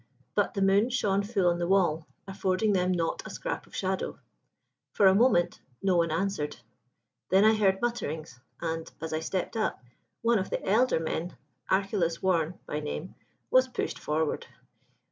But the moon shone full on the wall, affording them not a scrap of shadow. "For a moment no one answered. Then I heard mutterings, and, as I stepped up, one of the elder men, Archelaus Warne by name, was pushed forward.